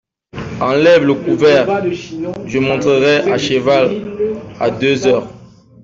Enlève le couvert ; je monterai à cheval à deux heures.